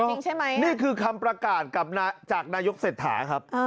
นี่คือคำประการจากนายกเศรษฐาครับ